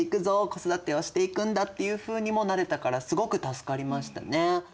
子育てをしていくんだっていうふうにもなれたからすごく助かりましたね。